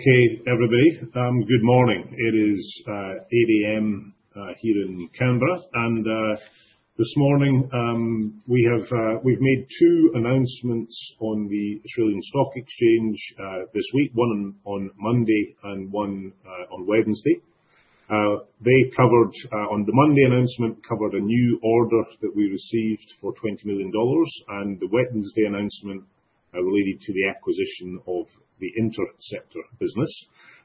Okay, everybody, good morning. It is 8:00 A.M. here in Canberra. This morning, we've made two announcements on the Australian Stock Exchange this week, one on Monday and one on Wednesday. On the Monday announcement, we covered a new order that we received for 20 million dollars, and the Wednesday announcement related to the acquisition of the interceptor drone business.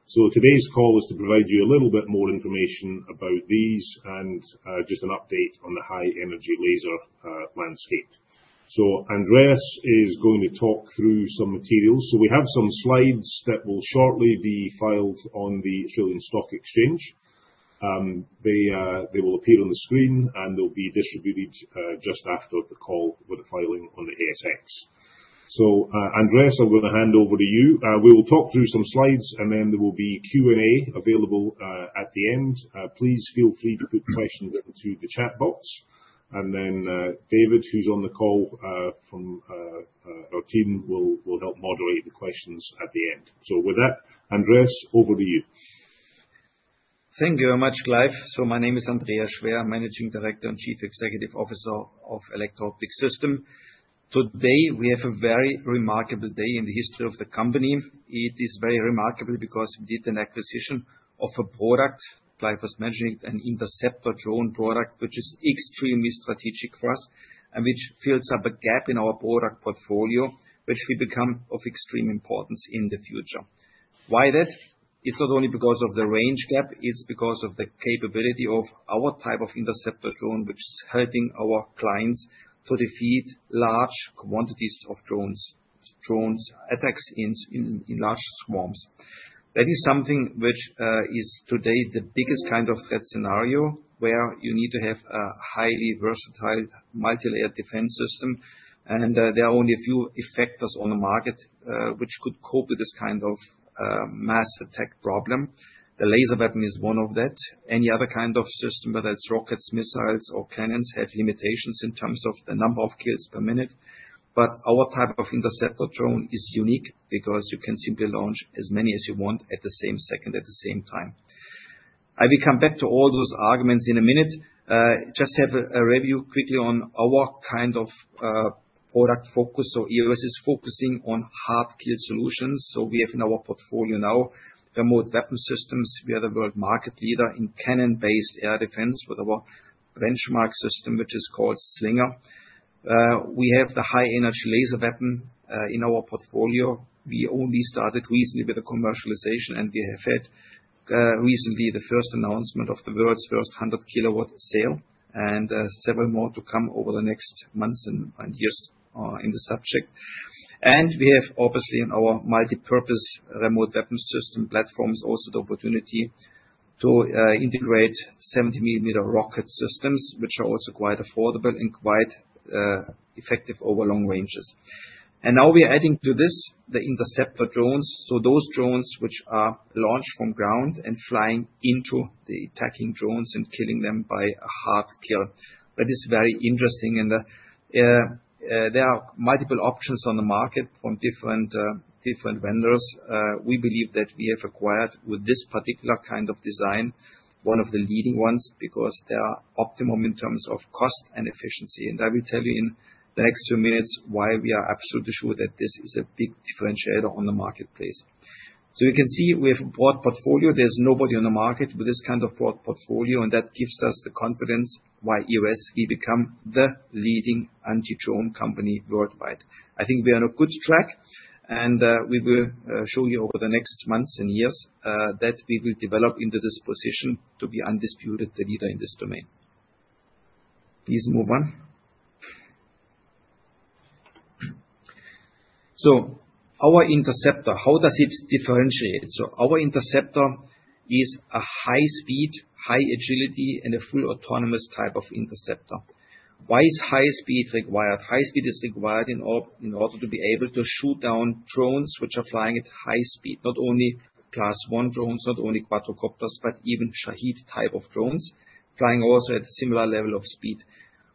Today's call is to provide you a little bit more information about these and just an update on the high-energy laser landscape. Andreas is going to talk through some materials. We have some slides that will shortly be filed on the Australian Stock Exchange. They will appear on the screen, and they'll be distributed just after the call with the filing on the ASX. Andreas, I'm going to hand over to you. We will talk through some slides, and then there will be Q&A available at the end. Please feel free to put questions into the chat box. David, who's on the call from our team, will help moderate the questions at the end. With that, Andreas, over to you. Thank you very much, Clive. My name is Andreas Schwer, Managing Director and Chief Executive Officer of Electro Optic Systems. Today, we have a very remarkable day in the history of the company. It is very remarkable because we did an acquisition of a product Clive was mentioning, an interceptor drone product, which is extremely strategic for us and which fills up a gap in our product portfolio, which will become of extreme importance in the future. Why that? It's not only because of the range gap, it's because of the capability of our type of interceptor drone, which is helping our clients to defeat large quantities of drones, drone attacks in large swarms. That is something which is today the biggest kind of threat scenario where you need to have a highly versatile multi-layer defense system. There are only a few effectors on the market which could cope with this kind of mass attack problem. The laser weapon is one of that. Any other kind of system, whether it's rockets, missiles, or cannons, has limitations in terms of the number of kills per minute. Our type of interceptor drone is unique because you can simply launch as many as you want at the same second, at the same time. I will come back to all those arguments in a minute. Just have a review quickly on our kind of product focus. EOS is focusing on hard kill solutions. We have in our portfolio now remote weapon systems. We are the world market leader in cannon-based air defense with our benchmark system, which is called Slinger. We have the high-energy laser weapon in our portfolio. We only started recently with the commercialization, and we have had recently the first announcement of the world's first 100 kW sale, and several more to come over the next months and years in the subject. We have, obviously, in our multipurpose remote weapon system platforms, also the opportunity to integrate 70 millimeter rocket systems, which are also quite affordable and quite effective over long ranges. Now we are adding to this the interceptor drones. Those drones are launched from ground and flying into the attacking drones and killing them by a hard kill. That is very interesting. There are multiple options on the market from different vendors. We believe that we have acquired with this particular kind of design one of the leading ones, because they are optimum in terms of cost and efficiency. I will tell you in the next few minutes why we are absolutely sure that this is a big differentiator in the marketplace. You can see we have a broad portfolio. There is nobody on the market with this kind of broad portfolio, and that gives us the confidence why EOS will become the leading anti-drone company worldwide. I think we are on a good track, and we will show you over the next months and years that we will develop into this position to be undisputed the leader in this domain. Please move on. Our interceptor, how does it differentiate? Our interceptor is a high-speed, high-agility, and a fully autonomous type of interceptor. Why is high speed required? High speed is required in order to be able to shoot down drones which are flying at high speed, not only class one drones, not only quadricopters, but even Shahid type of drones flying also at a similar level of speed.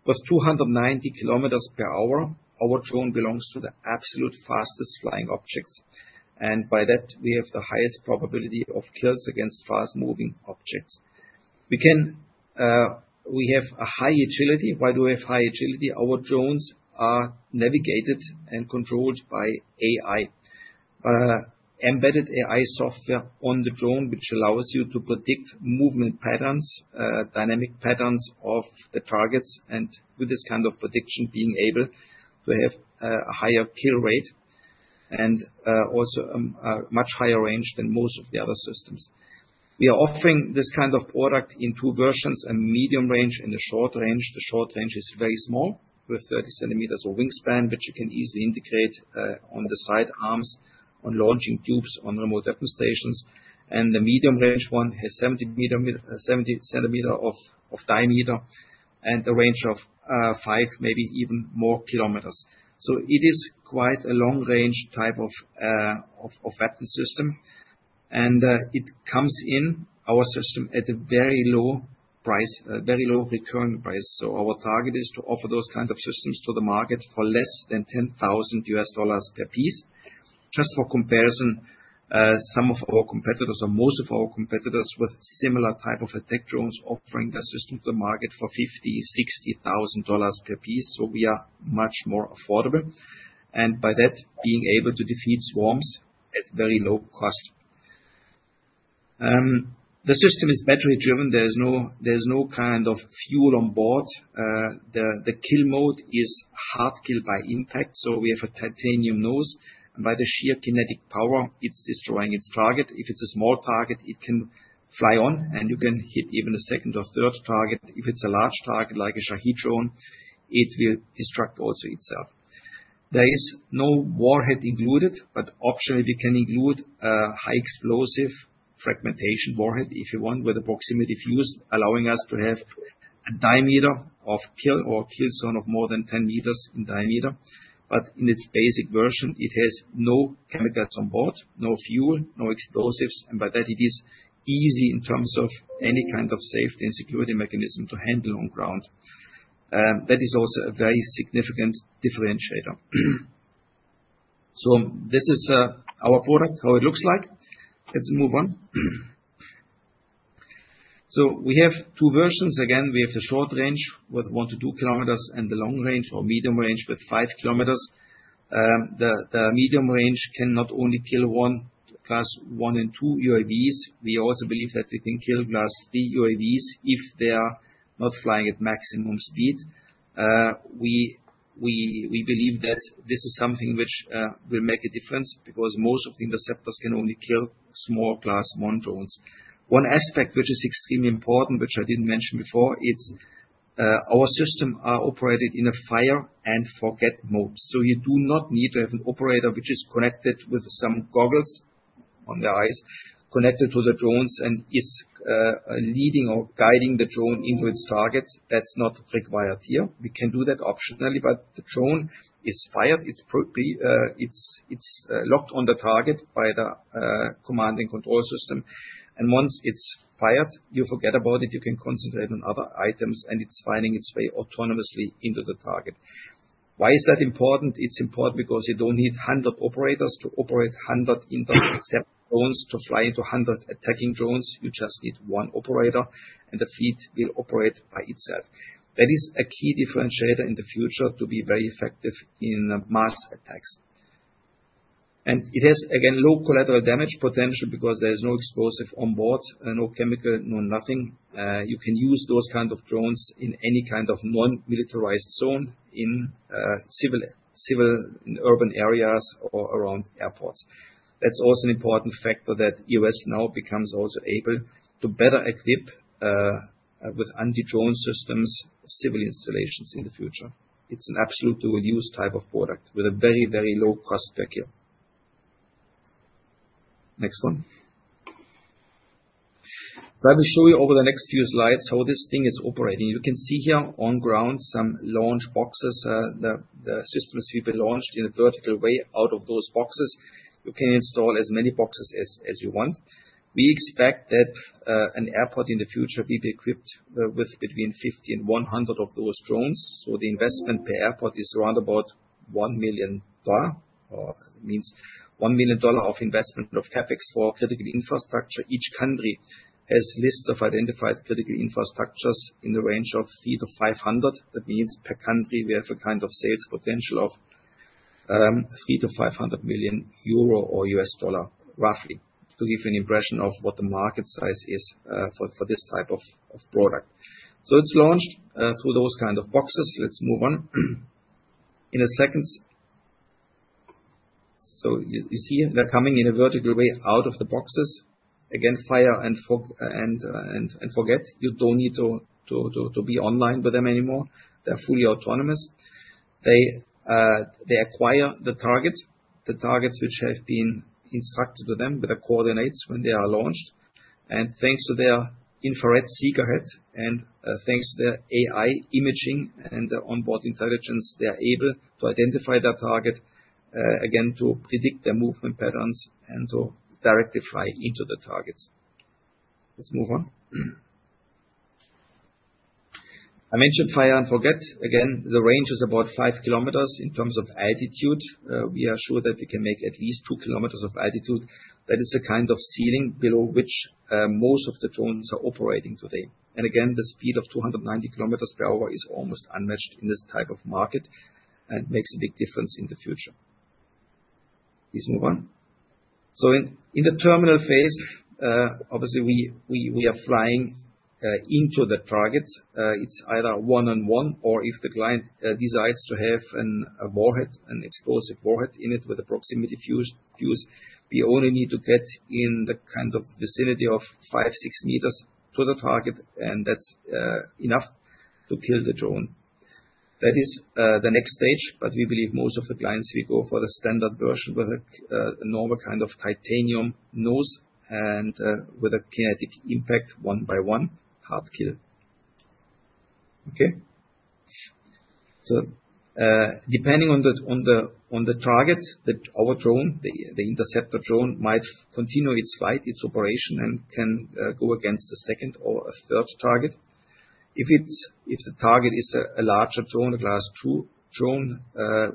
With 290 km per hour, our drone belongs to the absolute fastest flying objects. By that, we have the highest probability of kills against fast-moving objects. We have a high agility. Why do we have high agility? Our drones are navigated and controlled by AI, embedded AI software on the drone, which allows you to predict movement patterns, dynamic patterns of the targets. With this kind of prediction, being able to have a higher kill rate and also a much higher range than most of the other systems. We are offering this kind of product in two versions: a medium range and a short range. The short range is very small, with 30 centimeters of wingspan, which you can easily integrate on the side arms, on launching tubes, on remote weapon stations. The medium range one has 70 centimeters of diameter and a range of five, maybe even more kilometers. It is quite a long-range type of weapon system. It comes in our system at a very low price, very low recurring price. Our target is to offer those kinds of systems to the market for less than $10,000 per piece. Just for comparison, some of our competitors or most of our competitors with similar type of attack drones are offering the system to the market for $50,000-$60,000 per piece. We are much more affordable. By that, being able to defeat swarms at very low cost. The system is battery-driven. There is no kind of fuel on board. The kill mode is hard kill by impact. We have a titanium nose, and by the sheer kinetic power, it is destroying its target. If it is a small target, it can fly on, and you can hit even a second or third target. If it is a large target like a Shahid drone, it will destruct also itself. There is no warhead included, but optionally, we can include a high-explosive fragmentation warhead, if you want, with a proximity fuse, allowing us to have a diameter of kill or kill zone of more than 10 meters in diameter. In its basic version, it has no chemicals on board, no fuel, no explosives. By that, it is easy in terms of any kind of safety and security mechanism to handle on ground. That is also a very significant differentiator. This is our product, how it looks like. Let's move on. We have two versions. Again, we have the short range with one to two kilometers and the long range or medium range with five kilometers. The medium range can not only kill one class one and two UAVs. We also believe that we can kill class three UAVs if they are not flying at maximum speed. We believe that this is something which will make a difference because most of the interceptors can only kill small class one drones. One aspect which is extremely important, which I didn't mention before, is our system is operated in a fire-and-forget mode. You do not need to have an operator which is connected with some goggles on the eyes, connected to the drones, and is leading or guiding the drone into its target. That's not required here. We can do that optionally, but the drone is fired. It's locked on the target by the command and control system. Once it's fired, you forget about it. You can concentrate on other items, and it's finding its way autonomously into the target. Why is that important? It's important because you don't need 100 operators to operate 100 interceptor drones to fly into 100 attacking drones. You just need one operator, and the fleet will operate by itself. That is a key differentiator in the future to be very effective in mass attacks. It has, again, low collateral damage potential because there is no explosive on board, no chemical, no nothing. You can use those kinds of drones in any kind of non-militarized zone, in civil, in urban areas, or around airports. That's also an important factor that EOS now becomes also able to better equip with anti-drone systems, civil installations in the future. It's an absolutely reduced type of product with a very, very low cost per kill. Next one. I will show you over the next few slides how this thing is operating. You can see here on ground some launch boxes. The systems will be launched in a vertical way out of those boxes. You can install as many boxes as you want. We expect that an airport in the future will be equipped with between 50 and 100 of those drones. The investment per airport is around about 1 million dollar. That means 1 million dollar of investment of CapEx for critical infrastructure. Each country has lists of identified critical infrastructures in the range of three-500. That means per country, we have a kind of sales potential of 300 million-500 million euro or $300 million-$500 million, roughly, to give you an impression of what the market size is for this type of product. It is launched through those kinds of boxes. Let's move on. In a second. You see they are coming in a vertical way out of the boxes. Again, fire and forget. You do not need to be online with them anymore. They are fully autonomous. They acquire the targets, the targets which have been instructed to them with the coordinates when they are launched. Thanks to their infrared seeker head and thanks to their AI imaging and onboard intelligence, they are able to identify their target, again, to predict their movement patterns and to directly fly into the targets. Let's move on. I mentioned fire and forget. Again, the range is about five km in terms of altitude. We are sure that we can make at least 2 km of altitude. That is the kind of ceiling below which most of the drones are operating today. Again, the speed of 290 km per hour is almost unmatched in this type of market and makes a big difference in the future. Please move on. In the terminal phase, obviously, we are flying into the target. It's either one-on-one or if the client decides to have a warhead, an explosive warhead in it with a proximity fuse, we only need to get in the kind of vicinity of five-six m to the target, and that's enough to kill the drone. That is the next stage, but we believe most of the clients will go for the standard version with a normal kind of titanium nose and with a kinetic impact one by one, hard kill. Okay. Depending on the target, our drone, the interceptor drone, might continue its flight, its operation, and can go against a second or a third target. If the target is a larger drone, a class two drone,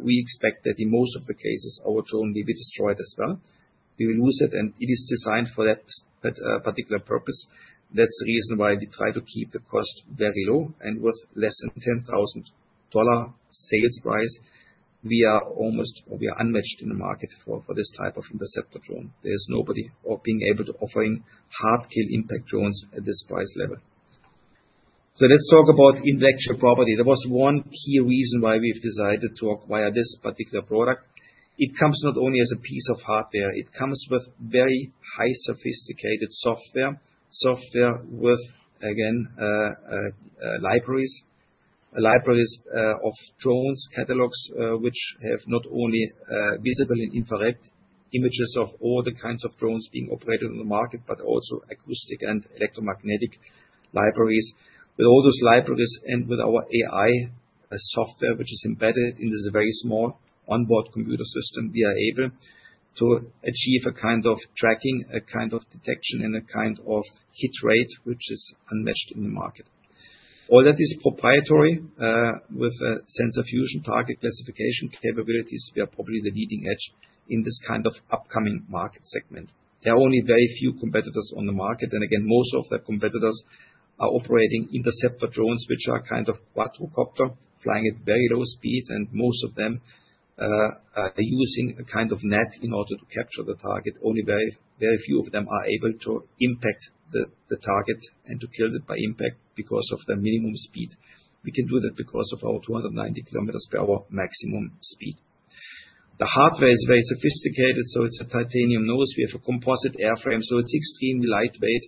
we expect that in most of the cases, our drone will be destroyed as well. We will lose it, and it is designed for that particular purpose. That is the reason why we try to keep the cost very low. With less than 10,000 dollar sales price, we are almost unmatched in the market for this type of interceptor drone. There is nobody being able to offer hard kill impact drones at this price level. Let's talk about intellectual property. There was one key reason why we've decided to acquire this particular product. It comes not only as a piece of hardware. It comes with very high sophisticated software, software with, again, libraries, libraries of drones, catalogs, which have not only visible and infrared images of all the kinds of drones being operated on the market, but also acoustic and electromagnetic libraries. With all those libraries and with our AI software, which is embedded in this very small onboard computer system, we are able to achieve a kind of tracking, a kind of detection, and a kind of hit rate, which is unmatched in the market. All that is proprietary with sensor fusion, target classification capabilities. We are probably the leading edge in this kind of upcoming market segment. There are only very few competitors on the market. Most of the competitors are operating interceptor drones, which are kind of quadricopter flying at very low speed. Most of them are using a kind of net in order to capture the target. Only very few of them are able to impact the target and to kill it by impact because of the minimum speed. We can do that because of our 290 km per hour maximum speed. The hardware is very sophisticated. It is a titanium nose. We have a composite airframe. It is extremely lightweight.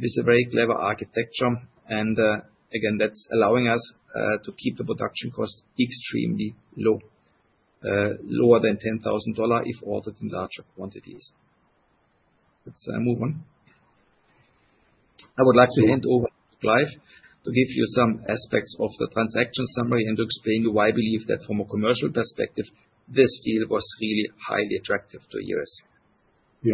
It is a very clever architecture. That is allowing us to keep the production cost extremely low, lower than 10,000 dollars if ordered in larger quantities. Let's move on. I would like to hand over to Clive to give you some aspects of the transaction summary and to explain to you why I believe that from a commercial perspective, this deal was really highly attractive to EOS. Yeah, thanks, Andreas. A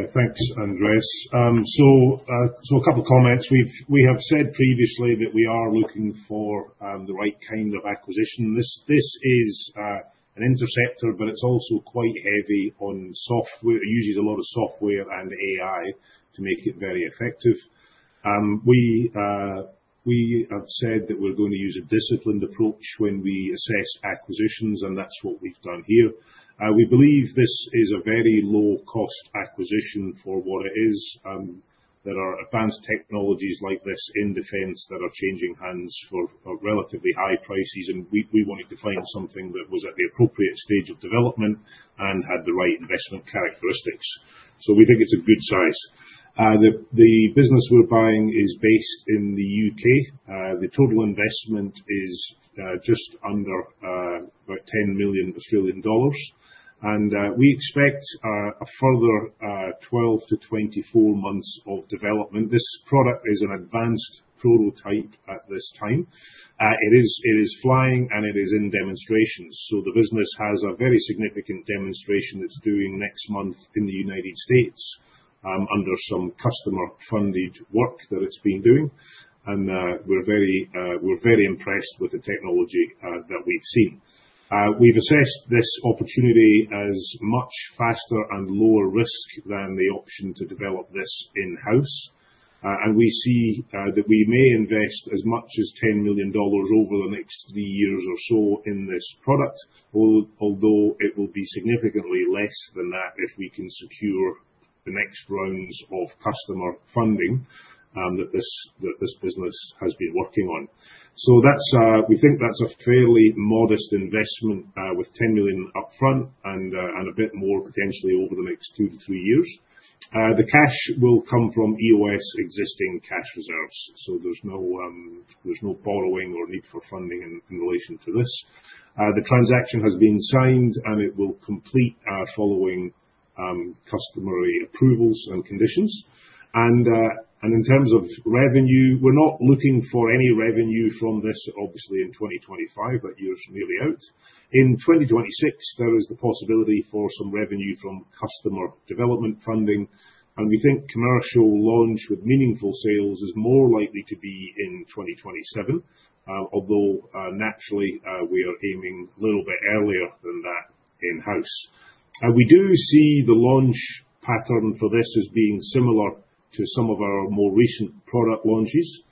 couple of comments. We have said previously that we are looking for the right kind of acquisition. This is an interceptor, but it's also quite heavy on software. It uses a lot of software and AI to make it very effective. We have said that we're going to use a disciplined approach when we assess acquisitions, and that's what we've done here. We believe this is a very low-cost acquisition for what it is. There are advanced technologies like this in defense that are changing hands for relatively high prices. We wanted to find something that was at the appropriate stage of development and had the right investment characteristics. We think it's a good size. The business we're buying is based in the U.K. The total investment is just under about 10 million Australian dollars. We expect a further 12-24 months of development. This product is an advanced prototype at this time. It is flying, and it is in demonstrations. The business has a very significant demonstration it's doing next month in the United States under some customer-funded work that it's been doing. We are very impressed with the technology that we've seen. We've assessed this opportunity as much faster and lower risk than the option to develop this in-house. We see that we may invest as much as 10 million dollars over the next three years or so in this product, although it will be significantly less than that if we can secure the next rounds of customer funding that this business has been working on. We think that's a fairly modest investment with 10 million upfront and a bit more potentially over the next two to three years. The cash will come from EOS existing cash reserves. There is no borrowing or need for funding in relation to this. The transaction has been signed, and it will complete following customary approvals and conditions. In terms of revenue, we're not looking for any revenue from this, obviously, in 2025, but years really out. In 2026, there is the possibility for some revenue from customer development funding. We think commercial launch with meaningful sales is more likely to be in 2027, although naturally, we are aiming a little bit earlier than that in-house. We do see the launch pattern for this as being similar to some of our more recent product launches.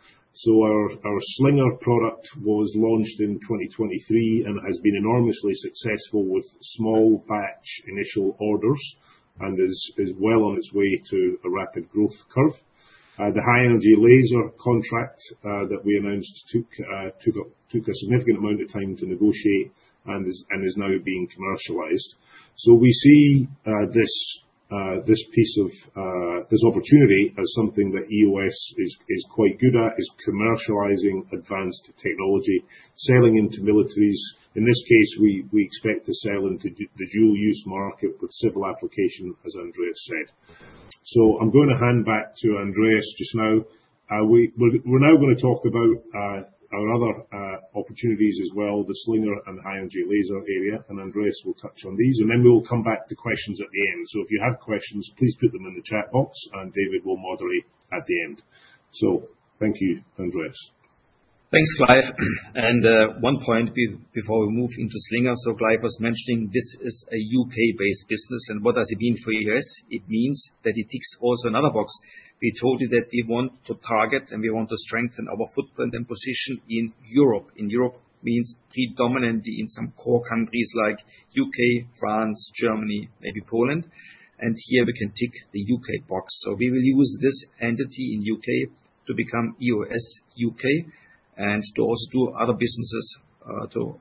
Our Slinger product was launched in 2023 and has been enormously successful with small batch initial orders and is well on its way to a rapid growth curve. The high-energy laser contract that we announced took a significant amount of time to negotiate and is now being commercialized. We see this piece of this opportunity as something that EOS is quite good at, is commercializing advanced technology, selling into militaries. In this case, we expect to sell into the dual-use market with civil application, as Andreas said. I am going to hand back to Andreas just now. We're now going to talk about our other opportunities as well, the Slinger and high-energy laser area. Andreas will touch on these. We will come back to questions at the end. If you have questions, please put them in the chat box, and David will moderate at the end. Thank you, Andreas. Thanks, Clive. One point before we move into Slinger. Clive was mentioning this is a U.K.-based business. What does it mean for EOS? It means that it ticks also another box. We told you that we want to target and we want to strengthen our footprint and position in Europe. Europe means predominantly in some core countries like U.K., France, Germany, maybe Poland. Here we can tick the U.K. box. We will use this entity in the U.K. to become EOS U.K. and to also do other businesses, to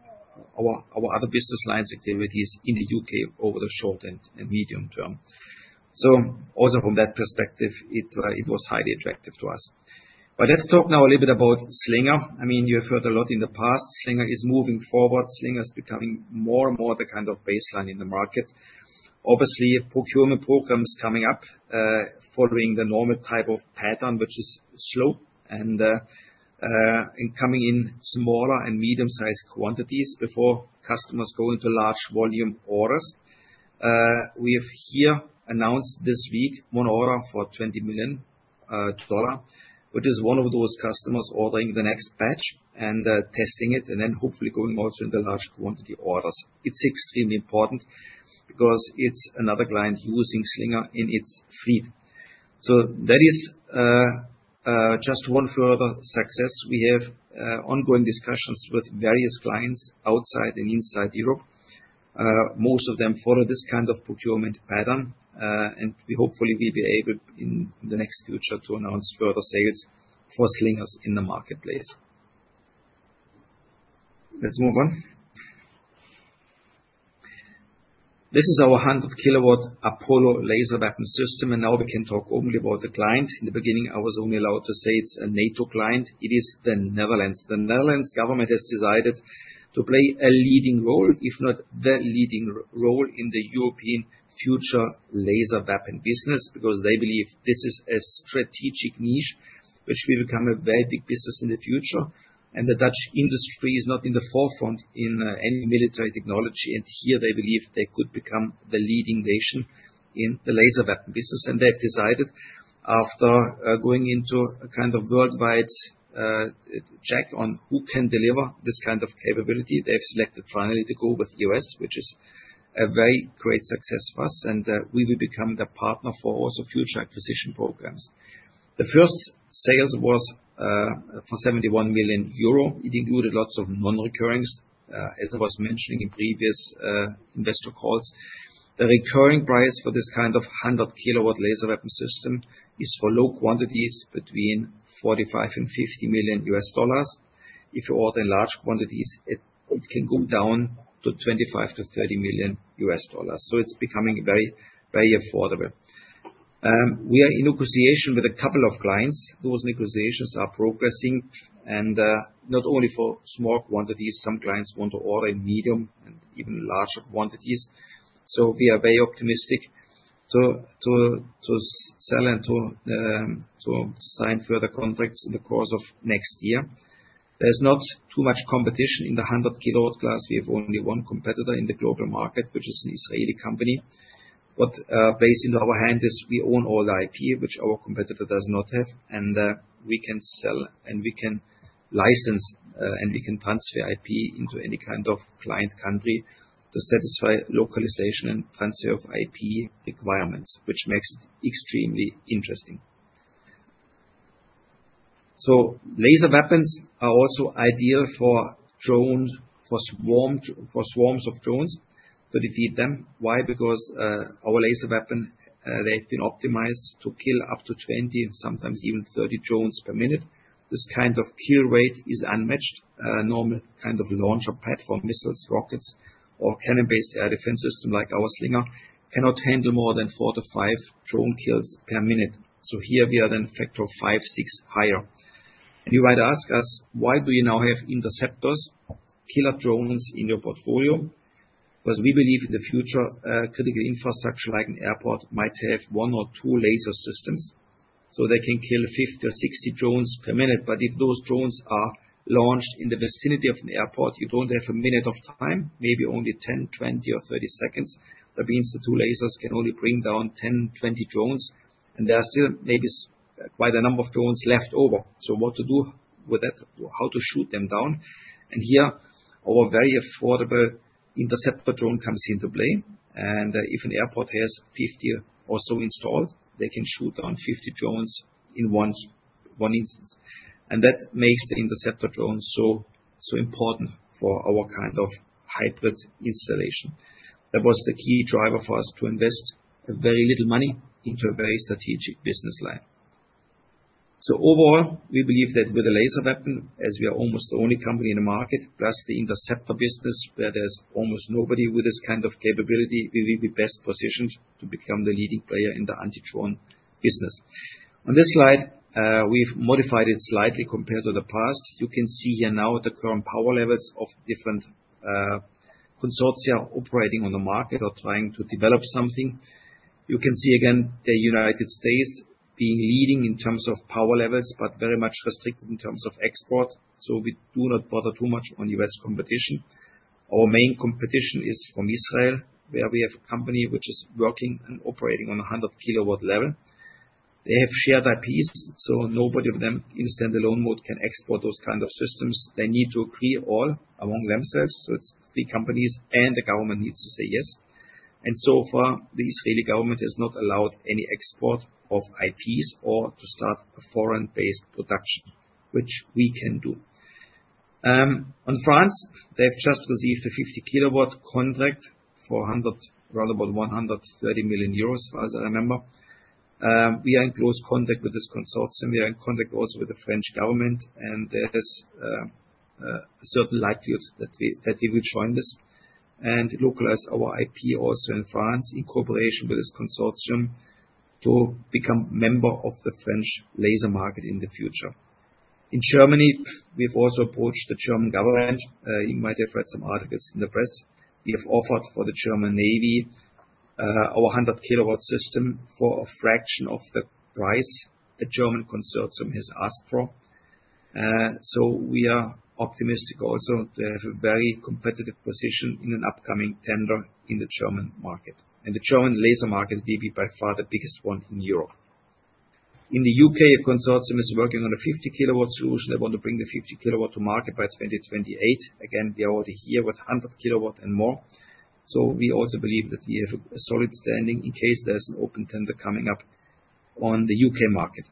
our other business lines activities in the U.K. over the short and medium term. Also from that perspective, it was highly attractive to us. Let's talk now a little bit about Slinger. I mean, you have heard a lot in the past. Slinger is moving forward. Slinger is becoming more and more the kind of baseline in the market. Obviously, procurement programs coming up following the normal type of pattern, which is slow and coming in smaller and medium-sized quantities before customers go into large volume orders. We have here announced this week one order for 20 million, which is one of those customers ordering the next batch and testing it and then hopefully going also into large quantity orders. It's extremely important because it's another client using Slinger in its fleet. That is just one further success. We have ongoing discussions with various clients outside and inside Europe. Most of them follow this kind of procurement pattern. We hopefully will be able in the next future to announce further sales for Slingers in the marketplace. Let's move on. This is our 100-kW Apollo laser weapon system. Now we can talk only about the client. In the beginning, I was only allowed to say it's a NATO client. It is the Netherlands. The Netherlands government has decided to play a leading role, if not the leading role in the European future laser weapon business because they believe this is a strategic niche, which will become a very big business in the future. The Dutch industry is not in the forefront in any military technology. Here, they believe they could become the leading nation in the laser weapon business. They have decided after going into a kind of worldwide check on who can deliver this kind of capability, they have selected finally to go with EOS, which is a very great success for us. We will become the partner for also future acquisition programs. The first sales was for 71 million euro. It included lots of non-recurrings, as I was mentioning in previous investor calls. The recurring price for this kind of 100-kW laser weapon system is for low quantities between $45-50 million. If you order in large quantities, it can go down to $25-30 million. It is becoming very affordable. We are in negotiation with a couple of clients. Those negotiations are progressing. Not only for small quantities, some clients want to order in medium and even larger quantities. We are very optimistic to sell and to sign further contracts in the course of next year. There is not too much competition in the 100-kW class. We have only one competitor in the global market, which is an Israeli company. Based on our hand, we own all the IP, which our competitor does not have. We can sell and we can license and we can transfer IP into any kind of client country to satisfy localization and transfer of IP requirements, which makes it extremely interesting. Laser weapons are also ideal for swarms of drones to defeat them. Why? Because our laser weapon, they have been optimized to kill up to 20, sometimes even 30 drones per minute. This kind of kill rate is unmatched. Normal kind of launcher platform missiles, rockets, or cannon-based air defense system like our Slinger cannot handle more than four to five drone kills per minute. Here we are then factor five, six higher. You might ask us, why do you now have interceptors, killer drones in your portfolio? We believe in the future, critical infrastructure like an airport might have one or two laser systems. They can kill 50 or 60 drones per minute. If those drones are launched in the vicinity of an airport, you do not have a minute of time, maybe only 10, 20, or 30 seconds. That means the two lasers can only bring down 10, 20 drones. There are still maybe quite a number of drones left over. What to do with that? How to shoot them down? Here our very affordable interceptor drone comes into play. If an airport has 50 or so installed, they can shoot down 50 drones in one instance. That makes the interceptor drone so important for our kind of hybrid installation. That was the key driver for us to invest very little money into a very strategic business line. Overall, we believe that with a laser weapon, as we are almost the only company in the market, plus the interceptor business, where there is almost nobody with this kind of capability, we will be best positioned to become the leading player in the anti-drone business. On this slide, we have modified it slightly compared to the past. You can see here now the current power levels of different consortia operating on the market or trying to develop something. You can see again the United States being leading in terms of power levels, but very much restricted in terms of export. We do not bother too much on U.S. competition. Our main competition is from Israel, where we have a company which is working and operating on a 100-kW level. They have shared IPs. Nobody of them in standalone mode can export those kinds of systems. They need to agree all among themselves. It is three companies, and the government needs to say yes. So far, the Israeli government has not allowed any export of IPs or to start a foreign-based production, which we can do. On France, they have just received a 50-kW contract for around €130 million, as I remember. We are in close contact with this consortium. We are in contact also with the French government, and there is a certain likelihood that they will join us and localize our IP also in France in cooperation with this consortium to become a member of the French laser market in the future. In Germany, we have also approached the German government. You might have read some articles in the press. We have offered for the German Navy our 100-kW system for a fraction of the price a German consortium has asked for. We are optimistic also to have a very competitive position in an upcoming tender in the German market. The German laser market will be by far the biggest one in Europe. In the U.K., a consortium is working on a 50-kW solution. They want to bring the 50-kW to market by 2028. Again, we are already here with 100-kW and more. We also believe that we have a solid standing in case there's an open tender coming up on the U.K. market.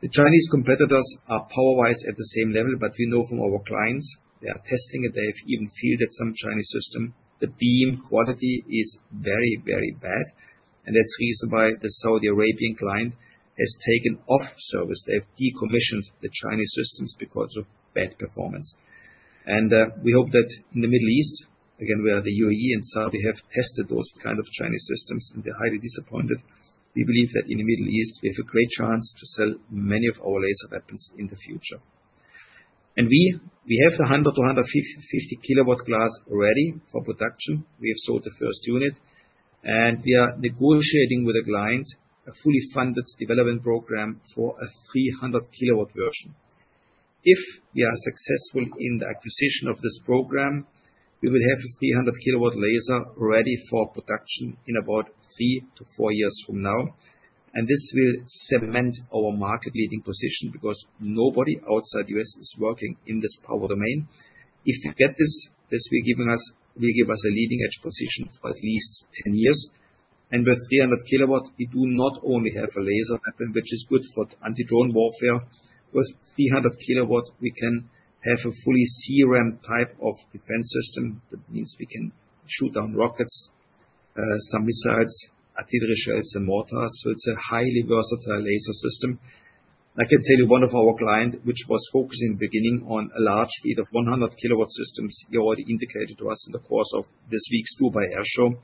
The Chinese competitors are power-wise at the same level, but we know from our clients they are testing it. They have even fielded some Chinese systems. The beam quality is very, very bad. That's the reason why the Saudi Arabian client has taken off service. They have decommissioned the Chinese systems because of bad performance. We hope that in the Middle East, again, where the UAE and Saudi have tested those kinds of Chinese systems, and they're highly disappointed. We believe that in the Middle East, we have a great chance to sell many of our laser weapons in the future. We have the 100-150 kW class ready for production. We have sold the first unit, and we are negotiating with a client a fully funded development program for a 300-kW version. If we are successful in the acquisition of this program, we will have a 300-kW laser ready for production in about three to four years from now. This will cement our market-leading position because nobody outside the U.S. is working in this power domain. If you get this, this will give us a leading-edge position for at least 10 years. With 300-kW, we do not only have a laser weapon, which is good for anti-drone warfare. With 300-kW, we can have a fully CRAM type of defense system that means we can shoot down rockets, some missiles, artillery shells, and mortars. It is a highly versatile laser system. I can tell you one of our clients, which was focused in the beginning on a large fleet of 100-kW systems, he already indicated to us in the course of this week's Dubai Airshow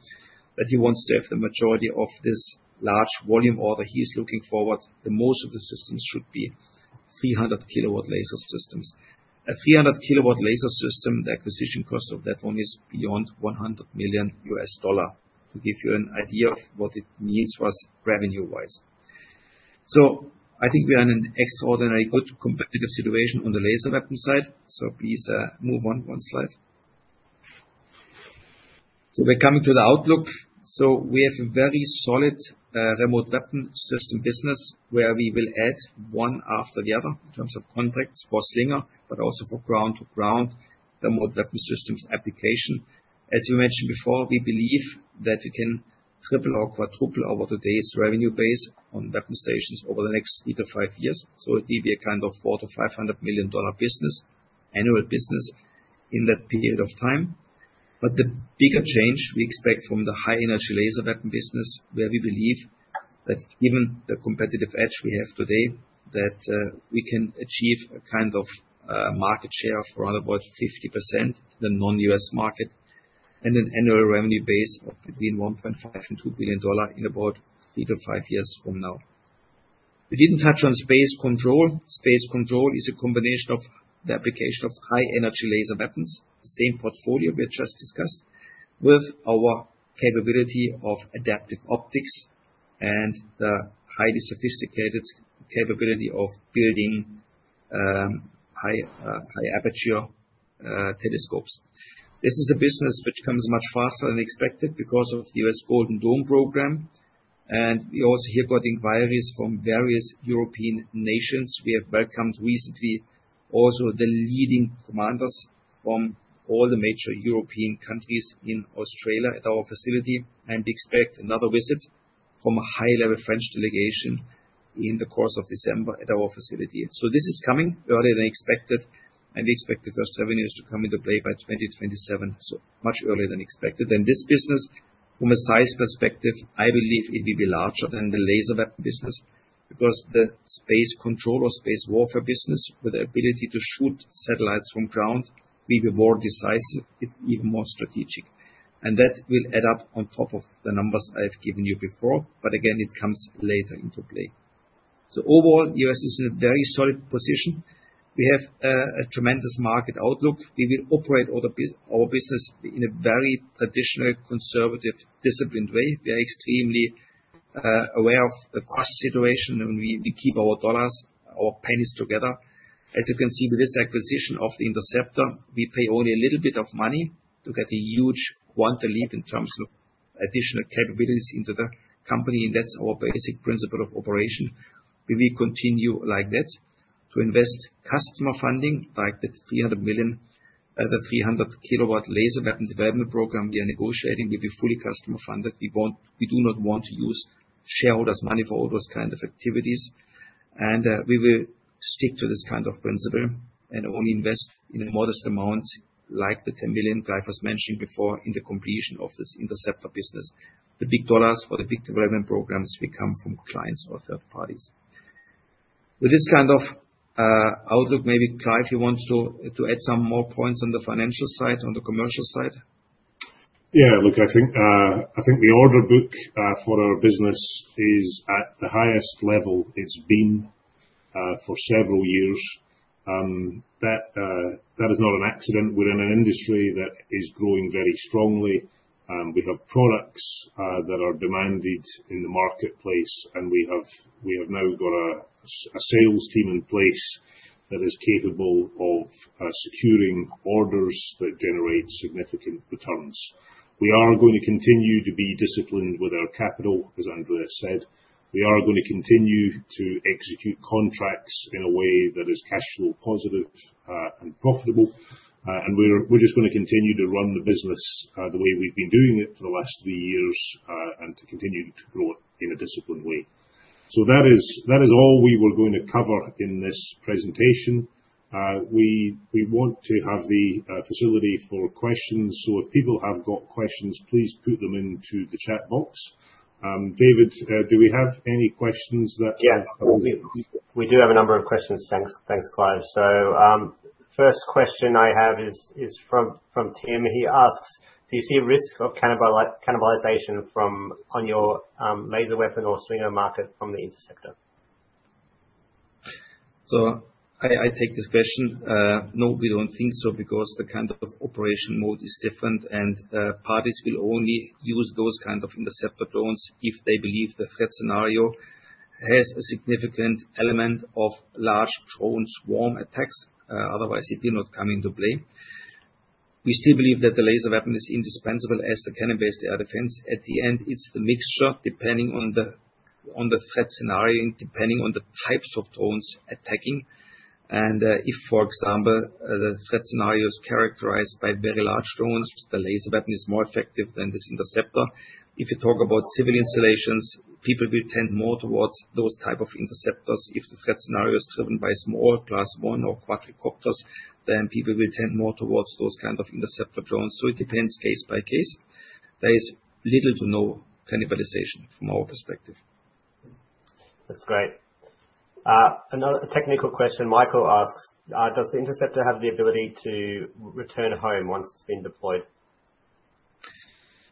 that he wants to have the majority of this large volume order he is looking forward. Most of the systems should be 300-kW laser systems. A 300-kW laser system, the acquisition cost of that one is beyond $100 million, to give you an idea of what it means for us revenue-wise. I think we are in an extraordinarily good competitive situation on the laser weapon side. Please move on one slide. We are coming to the outlook. We have a very solid remote weapon system business where we will add one after the other in terms of contracts for Slinger, but also for ground-to-ground remote weapon systems application. As we mentioned before, we believe that we can triple or quadruple our today's revenue base on weapon stations over the next three to five years. It will be a kind of 400 million- 500 million dollar annual business in that period of time. The bigger change we expect from the high-energy laser weapon business, where we believe that given the competitive edge we have today, we can achieve a kind of market share of around 50% in the non-U.S. market and an annual revenue base of between 1.5 billion and 2 billion dollars in about three to five years from now. We did not touch on space control. Space control is a combination of the application of high-energy laser weapons, the same portfolio we just discussed, with our capability of adaptive optics and the highly sophisticated capability of building high-aperture telescopes. This is a business which comes much faster than expected because of the U.S. Golden Dome program. We also here got inquiries from various European nations. We have welcomed recently also the leading commanders from all the major European countries in Australia at our facility. We expect another visit from a high-level French delegation in the course of December at our facility. This is coming earlier than expected. We expect the first revenues to come into play by 2027, so much earlier than expected. This business, from a size perspective, I believe it will be larger than the laser weapon business because the space control or space warfare business, with the ability to shoot satellites from ground, will be more decisive, if even more strategic. That will add up on top of the numbers I've given you before. Again, it comes later into play. Overall, the U.S. is in a very solid position. We have a tremendous market outlook. We will operate our business in a very traditional, conservative, disciplined way. We are extremely aware of the cost situation, and we keep our dollars, our pennies together. As you can see, with this acquisition of the interceptor, we pay only a little bit of money to get a huge quant leap in terms of additional capabilities into the company. That is our basic principle of operation. We will continue like that to invest customer funding like the 300-kW laser weapon development program we are negotiating. It will be fully customer funded. We do not want to use shareholders' money for all those kinds of activities. We will stick to this kind of principle and only invest in a modest amount, like the 10 million Clive was mentioning before, in the completion of this interceptor business. The big dollars for the big development programs will come from clients or third parties. With this kind of outlook, maybe Clive, you want to add some more points on the financial side, on the commercial side? Yeah. Look, I think the order book for our business is at the highest level it has been for several years. That is not an accident. We are in an industry that is growing very strongly. We have products that are demanded in the marketplace, and we have now got a sales team in place that is capable of securing orders that generate significant returns. We are going to continue to be disciplined with our capital, as Andreas said. We are going to continue to execute contracts in a way that is cash flow positive and profitable. We are just going to continue to run the business the way we've been doing it for the last three years and to continue to grow it in a disciplined way. That is all we were going to cover in this presentation. We want to have the facility for questions. If people have got questions, please put them into the chat box. David, do we have any questions? Yeah. We do have a number of questions. Thanks, Clive. The first question I have is from Tim. He asks, "Do you see a risk of cannibalization on your laser weapon or Slinger market from the interceptor?" I take this question. No, we don't think so because the kind of operation mode is different. Parties will only use those kinds of interceptor drones if they believe the threat scenario has a significant element of large drone swarm attacks. Otherwise, it will not come into play. We still believe that the laser weapon is indispensable as a cannibalized air defense. At the end, it's the mixture, depending on the threat scenario, depending on the types of drones attacking. If, for example, the threat scenario is characterized by very large drones, the laser weapon is more effective than this interceptor. If you talk about civilian installations, people will tend more towards those types of interceptors. If the threat scenario is driven by small class one or quadricopters, then people will tend more towards those kinds of interceptor drones. It depends case by case. There is little to no cannibalization from our perspective. That's great. Another technical question. Michael asks, "Does the interceptor have the ability to return home once it's been deployed?"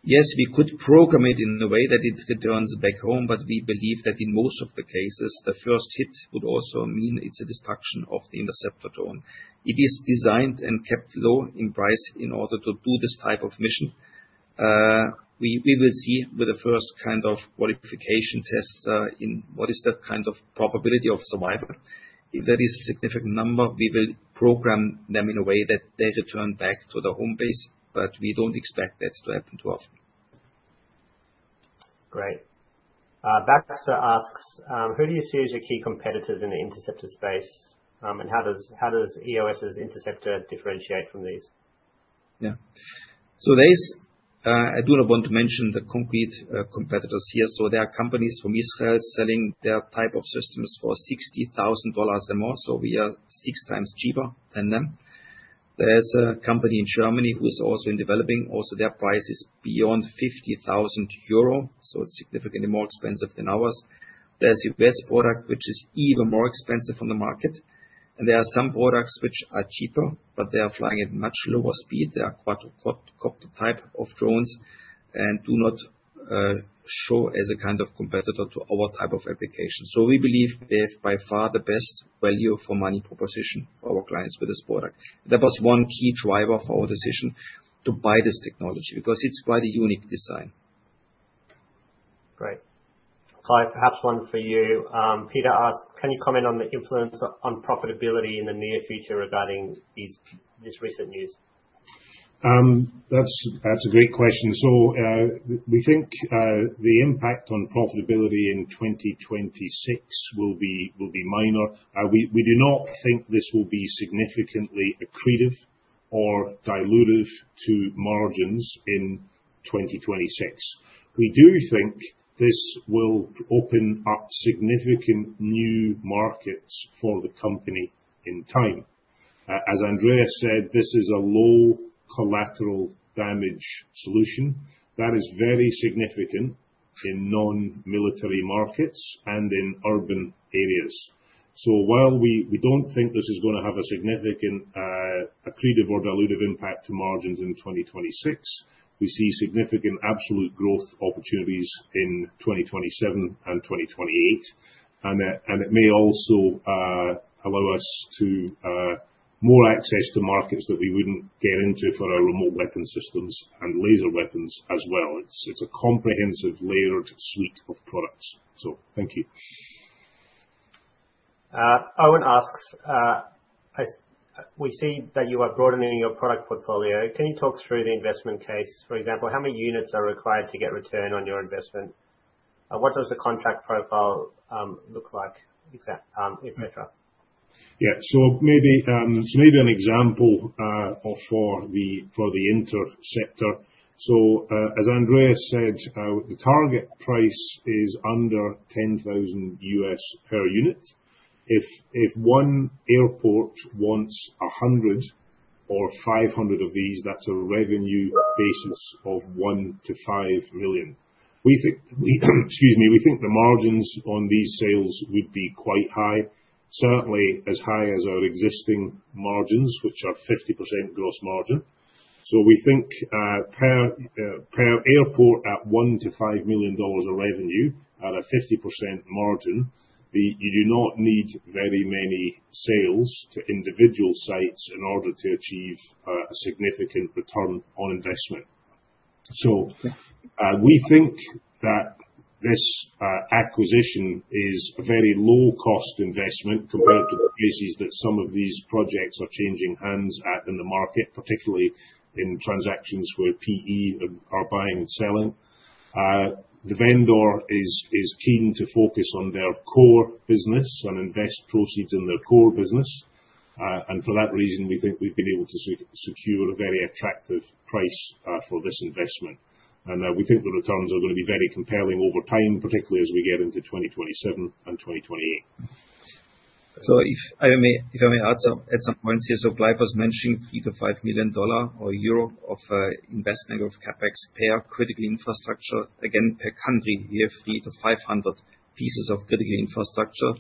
Yes. We could program it in a way that it returns back home, but we believe that in most of the cases, the first hit would also mean it's a destruction of the interceptor drone. It is designed and kept low in price in order to do this type of mission. We will see with the first kind of qualification tests in what is the kind of probability of survival. If that is a significant number, we will program them in a way that they return back to the home base. We do not expect that to happen too often. Great. Baxter asks, "Who do you see as your key competitors in the interceptor space? And how does EOS's interceptor differentiate from these?" Yeah. I do not want to mention the concrete competitors here. There are companies from Israel selling their type of systems for 60,000 dollars and more. We are six times cheaper than them. There is a company in Germany who is also in developing. Also, their price is beyond 50,000 euro. It is significantly more expensive than ours. There is a U.S. product which is even more expensive from the market. There are some products which are cheaper, but they are flying at much lower speed. They are quadcopter type of drones and do not show as a kind of competitor to our type of application. We believe they have by far the best value for money proposition for our clients with this product. That was one key driver for our decision to buy this technology because it is quite a unique design. Great. Clive, perhaps one for you. Peter asks, "Can you comment on the influence on profitability in the near future regarding this recent news?" That's a great question. We think the impact on profitability in 2026 will be minor. We do not think this will be significantly accretive or dilutive to margins in 2026. We do think this will open up significant new markets for the company in time. As Andreas said, this is a low collateral damage solution that is very significant in non-military markets and in urban areas. While we do not think this is going to have a significant accretive or dilutive impact to margins in 2026, we see significant absolute growth opportunities in 2027 and 2028. It may also allow us more access to markets that we would not get into for our remote weapon systems and laser weapons as well. It is a comprehensive layered suite of products. Thank you. Owen asks, "We see that you are broadening your product portfolio. Can you talk through the investment case? For example, how many units are required to get return on your investment? What does the contract profile look like, etc.?" Yeah. Maybe an example for the interceptor. As Andreas said, the target price is under $10,000 per unit. If one airport wants 100 or 500 of these, that's a revenue basis of 1 million- 5 million. Excuse me. We think the margins on these sales would be quite high, certainly as high as our existing margins, which are 50% gross margin. We think per airport at 1 million- 5 million dollars of revenue at a 50% margin, you do not need very many sales to individual sites in order to achieve a significant return on investment. We think that this acquisition is a very low-cost investment compared to the cases that some of these projects are changing hands at in the market, particularly in transactions where PE are buying and selling. The vendor is keen to focus on their core business and invest proceeds in their core business. For that reason, we think we've been able to secure a very attractive price for this investment. We think the returns are going to be very compelling over time, particularly as we get into 2027 and 2028. If I may add some points here, Clive was mentioning 3-5 million dollar or euro of investment of CapEx per critical infrastructure. Again, per country, we have 300-500 pieces of critical infrastructure.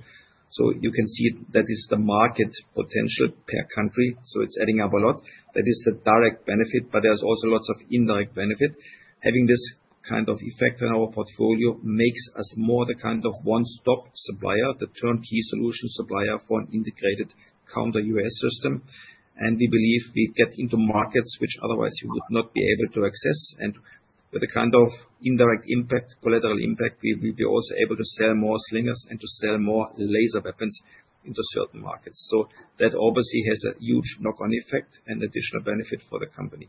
You can see that is the market potential per country. It is adding up a lot. That is the direct benefit, but there's also lots of indirect benefit. Having this kind of effect in our portfolio makes us more the kind of one-stop supplier, the turnkey solution supplier for an integrated counter-UAS system. We believe we get into markets which otherwise you would not be able to access. With the kind of indirect impact, collateral impact, we will be also able to sell more Slingers and to sell more laser weapons into certain markets. That obviously has a huge knock-on effect and additional benefit for the company.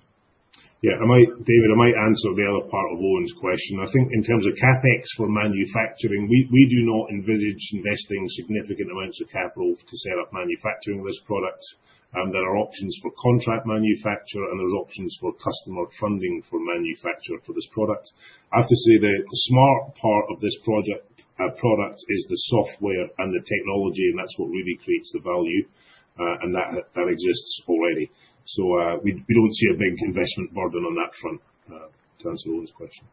Yeah. David, I might answer the other part of Owen's question. I think in terms of CapEx for manufacturing, we do not envisage investing significant amounts of capital to set up manufacturing this product. There are options for contract manufacture, and there's options for customer funding for manufacture for this product. I have to say the smart part of this product is the software and the technology, and that's what really creates the value. That exists already. We don't see a big investment burden on that front to answer Owen's question.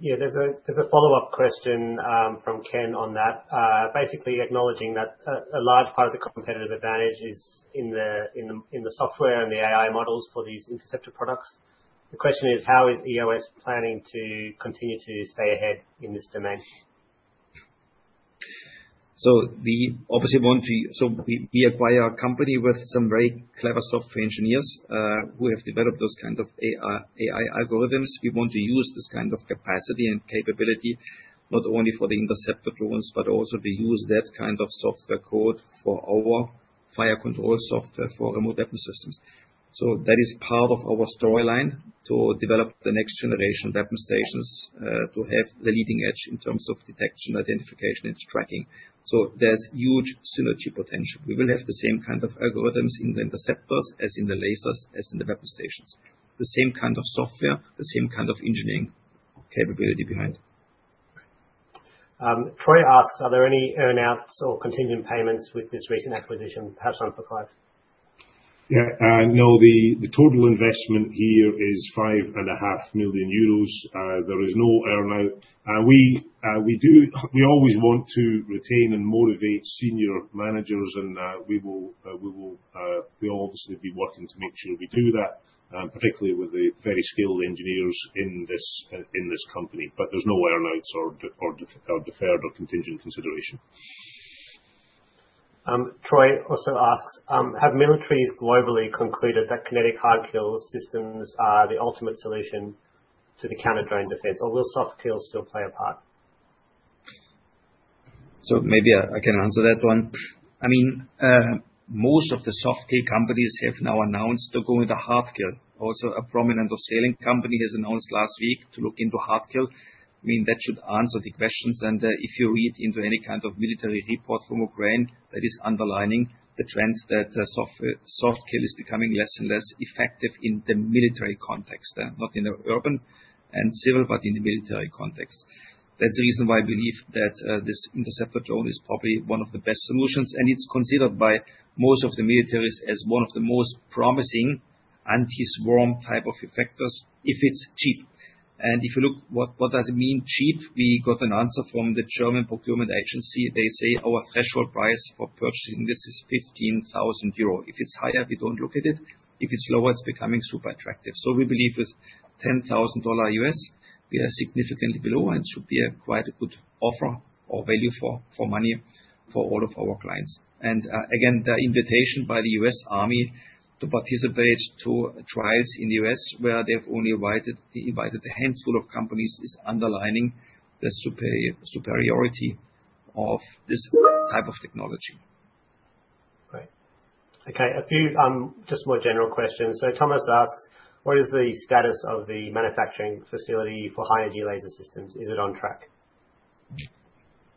There's a follow-up question from Ken on that, basically acknowledging that a large part of the competitive advantage is in the software and the AI models for these interceptor products. The question is, how is EOS planning to continue to stay ahead in this domain? The opposite one, we acquire a company with some very clever software engineers who have developed those kinds of AI algorithms. We want to use this kind of capacity and capability not only for the interceptor drones, but also to use that kind of software code for our fire control software for remote weapon systems. That is part of our storyline to develop the next generation weapon stations to have the leading edge in terms of detection, identification, and tracking. There is huge synergy potential. We will have the same kind of algorithms in the interceptors as in the lasers as in the weapon stations. The same kind of software, the same kind of engineering capability behind. Troy asks, "Are there any earnouts or contingent payments with this recent acquisition, perhaps done for Clive?" Yeah. No, the total investment here is 5.5 million euros. There is no earnout. We always want to retain and motivate senior managers, and we will obviously be working to make sure we do that, particularly with the very skilled engineers in this company. There are no earnouts or deferred or contingent consideration. Troy also asks, "Have militaries globally concluded that kinetic hard kill systems are the ultimate solution to the counter-drone defense, or will soft kills still play a part?" Maybe I can answer that one. I mean, most of the soft kill companies have now announced they're going to hard kill. Also, a prominent overseas company has announced last week to look into hard kill. I mean, that should answer the questions. If you read into any kind of military report from Ukraine, that is underlining the trend that soft kill is becoming less and less effective in the military context, not in the urban and civil, but in the military context. That's the reason why I believe that this interceptor drone is probably one of the best solutions. It is considered by most of the militaries as one of the most promising anti-swarm type of effectors if it is cheap. If you look, what does it mean cheap? We got an answer from the German procurement agency. They say our threshold price for purchasing this is 15,000 euro. If it is higher, we do not look at it. If it is lower, it is becoming super attractive. We believe with $10,000 U.S., we are significantly below and should be quite a good offer or value for money for all of our clients. Again, the invitation by the U.S. Army to participate in trials in the U.S., where they have only invited a handful of companies, is underlining the superiority of this type of technology. Great. Okay. A few just more general questions. Thomas asks, "What is the status of the manufacturing facility for high-energy laser systems? Is it on track?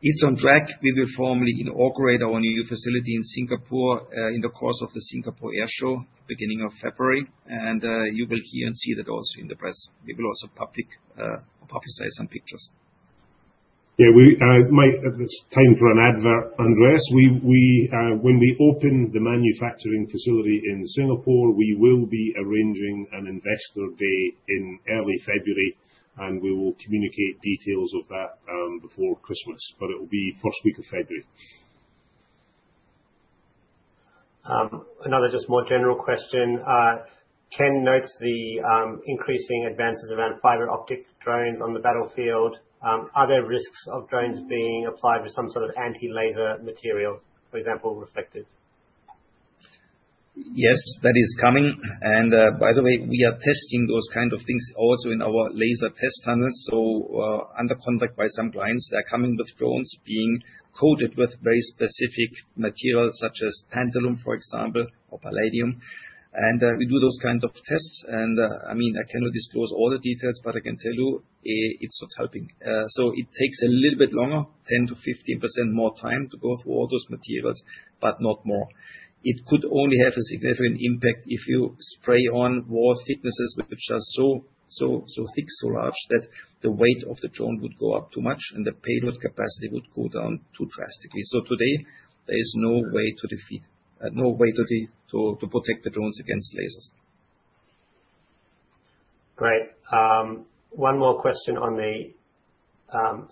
It's on track. We will formally inaugurate our new facility in Singapore in the course of the Singapore Airshow beginning of February. You will hear and see that also in the press. We will also publicize some pictures. Yeah. It's time for an advert, Andreas. When we open the manufacturing facility in Singapore, we will be arranging an investor day in early February, and we will communicate details of that before Christmas. It will be first week of February. Another just more general question. Ken notes the increasing advances around fiber optic drones on the battlefield. Are there risks of drones being applied with some sort of anti-laser material, for example, reflective? Yes, that is coming. By the way, we are testing those kinds of things also in our laser test tunnels. Under contract by some clients, they're coming with drones being coated with very specific materials such as tantalum, for example, or palladium. We do those kinds of tests. I mean, I cannot disclose all the details, but I can tell you it's not helping. It takes a little bit longer, 10%-15% more time to go through all those materials, but not more. It could only have a significant impact if you spray on wall thicknesses which are so thick, so large that the weight of the drone would go up too much and the payload capacity would go down too drastically. Today, there is no way to defeat, no way to protect the drones against lasers. Great. One more question on the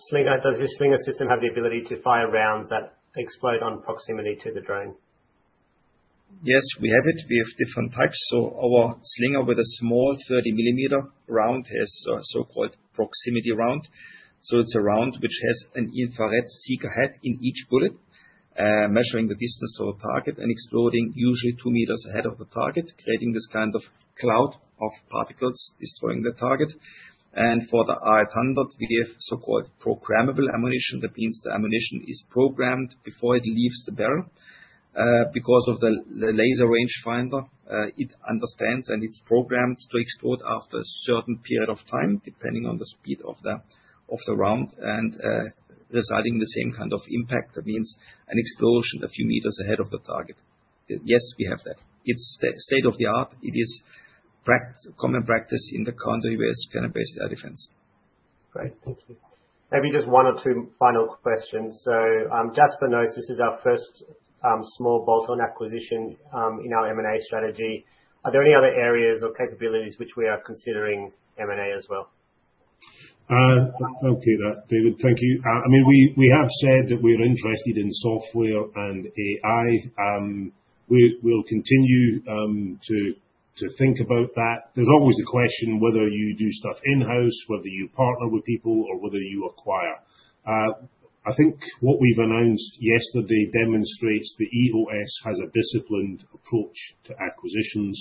Slinger. Does your Slinger system have the ability to fire rounds that explode on proximity to the drone? Yes, we have it. We have different types. Our Slinger with a small 30-millimeter round has a so-called proximity round. It is a round which has an infrared seeker head in each bullet, measuring the distance to the target and exploding usually 2 meters ahead of the target, creating this kind of cloud of particles destroying the target. For the R-800, we have so-called programmable ammunition. That means the ammunition is programmed before it leaves the barrel. Because of the laser rangefinder, it understands and it is programmed to explode after a certain period of time, depending on the speed of the round and resulting in the same kind of impact. That means an explosion a few meters ahead of the target. Yes, we have that. It is state of the art. It is common practice in the counter-UAS cannon-based air defense. Great. Thank you. Maybe just one or two final questions. Jasper notes this is our first small bolt-on acquisition in our M&A strategy. Are there any other areas or capabilities which we are considering M&A as well? I'll do that, David. Thank you. I mean, we have said that we're interested in software and AI. We'll continue to think about that. There's always the question whether you do stuff in-house, whether you partner with people, or whether you acquire. I think what we've announced yesterday demonstrates that EOS has a disciplined approach to acquisitions.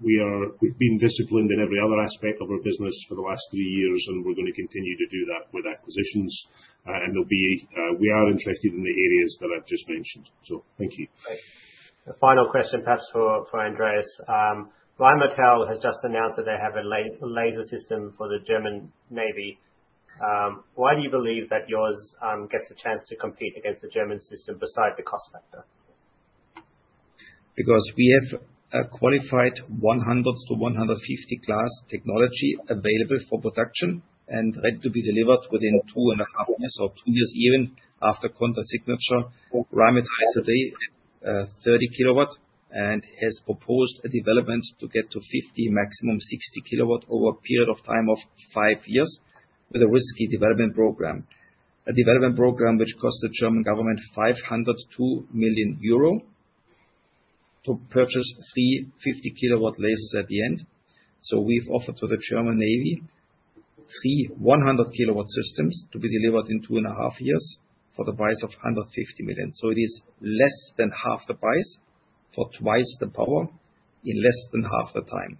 We've been disciplined in every other aspect of our business for the last three years, and we're going to continue to do that with acquisitions. We are interested in the areas that I've just mentioned. Thank you. The final question, perhaps for Andreas. Rheinmetall has just announced that they have a laser system for the German Navy. Why do you believe that yours gets a chance to compete against the German system beside the cost factor? Because we have a qualified 100-150-class technology available for production and ready to be delivered within two and a half years or two years even after contract signature. Rheinmetall today has 30 kW and has proposed a development to get to 50, maximum 60 kW over a period of time of five years with a risky development program. A development program which costs the German government 502 million euro to purchase three 50-kW lasers at the end. We have offered to the German Navy three 100-kW systems to be delivered in two and a half years for the price of 150 million. It is less than half the price for twice the power in less than half the time.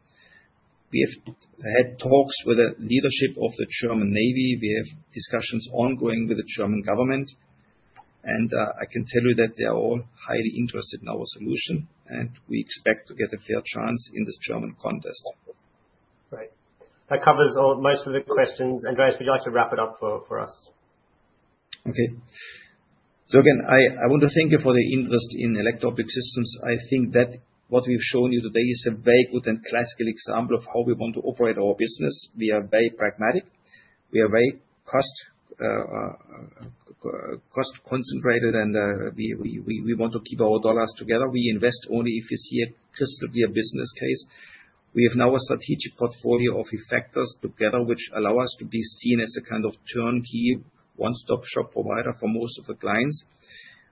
We have had talks with the leadership of the German Navy. We have discussions ongoing with the German government. I can tell you that they are all highly interested in our solution, and we expect to get a fair chance in this German contest. Great. That covers most of the questions. Andreas, would you like to wrap it up for us? Okay. Again, I want to thank you for the interest in Electro Optic Systems. I think that what we've shown you today is a very good and classical example of how we want to operate our business. We are very pragmatic. We are very cost-concentrated, and we want to keep our dollars together. We invest only if you see a crystal-clear business case. We have now a strategic portfolio of effectors together which allow us to be seen as a kind of turnkey one-stop-shop provider for most of the clients.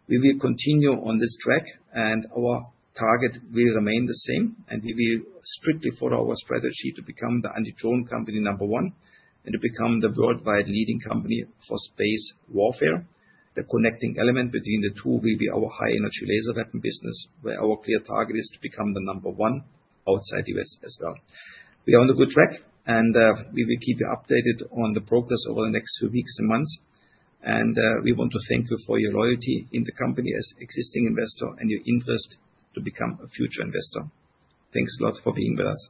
We will continue on this track, and our target will remain the same. We will strictly follow our strategy to become the anti-drone company number one and to become the worldwide leading company for space warfare. The connecting element between the two will be our high-energy laser weapon business, where our clear target is to become the number one outside the U.S. as well. We are on a good track, and we will keep you updated on the progress over the next few weeks and months. We want to thank you for your loyalty in the company as an existing investor and your interest to become a future investor. Thanks a lot for being with us.